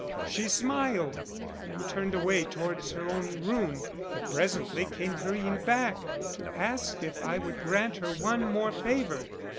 She smiled and turned away towards her own room, but presently came hurrying back to ask if I would grant her one more favor.